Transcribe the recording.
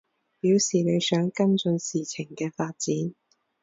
表示你想跟進事情嘅發展